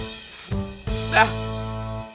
mau minta apa lagi